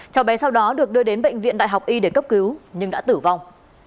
cháu bé sau đó được đưa đến bệnh viện đại học y để cấp cứu nhưng đã tử vong